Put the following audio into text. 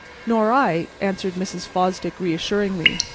"Nor I," answered Mrs. Fosdick reassuringly.